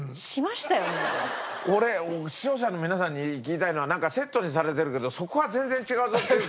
俺視聴者の皆さんに言いたいのはなんかセットにされてるけどそこは全然違うぞっていう。